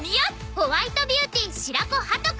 ホワイトビューティー白子鳩子！